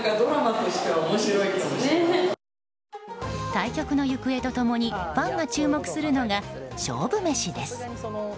対局の行方と共にファンが注目するのは勝負メシです。